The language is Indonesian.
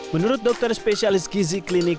menurut dokter spesialis gizi klinik